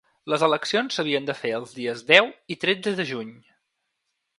Les eleccions s’havien de fer els dies deu i tretze de juny.